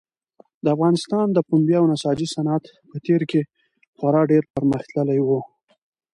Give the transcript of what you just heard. د افغانستان د پنبې او نساجي صنعت په تېر کې خورا ډېر پرمختللی و.